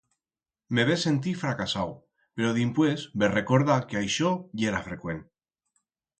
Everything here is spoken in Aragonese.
Me ve sentir fracasau, pero dimpués ve recordar que aixó yera frecuent.